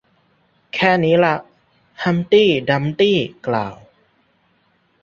แค่นี้ล่ะ ฮัมพ์ตี้ดัมพ์ตี้กล่าว